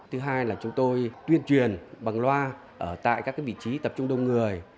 thứ hai là chúng tôi tuyên truyền bằng loa tại các vị trí tập trung đông người